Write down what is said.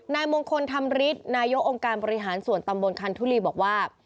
นายมงคลธรรมฤทธิ์นายกองค์การบริหารส่วนตำบลคันทุลีบอกว่า